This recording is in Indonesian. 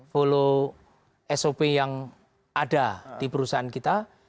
follow sop yang ada di perusahaan kita